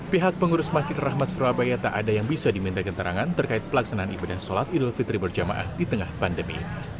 pihak pengurus masjid rahmat surabaya tak ada yang bisa diminta keterangan terkait pelaksanaan ibadah sholat idul fitri berjamaah di tengah pandemi